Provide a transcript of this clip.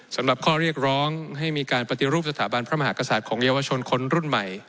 สำหรับข้อเรียกร้องให้มีการปฏิรูปสถาบันพระมหากษัตริย์ของเยาวชนคนรุ่นใหม่